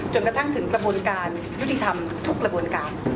กระทั่งถึงกระบวนการยุติธรรมทุกกระบวนการ